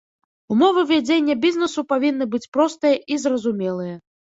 Умовы вядзення бізнесу павінны быць простыя і зразумелыя.